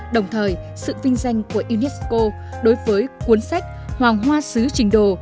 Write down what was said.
đồng thời sự vinh danh của unesco đối với cuốn sách hoàng hoa xứ trình đồ